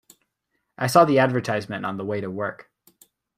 I saw the advertisement on the way to work.